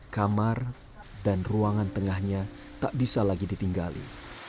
kamar dan ruangan tengahnya tak bisa lagi ditinggali